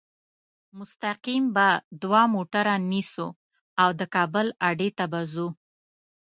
مستقیم به دوه موټره نیسو او د کابل اډې ته به ځو.